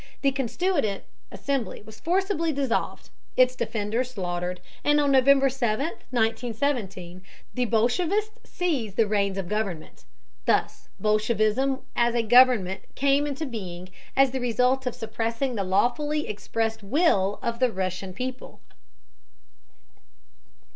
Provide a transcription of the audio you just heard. The constituent assembly was forcibly dissolved, its defenders slaughtered, and on November 7, 1917, the bolshevists seized the reins of government. Thus bolshevism as a government came into being as the result of suppressing the lawfully expressed will of the Russian people.